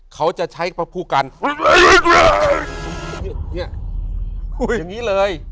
เขาจะใช้ภูกรรณเนี้ยอย่างงี้เลย